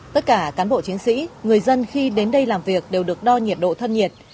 tất cả cán bộ chiến sĩ người dân khi đến đây làm việc đều được đo nhiệt độ thân nhiệt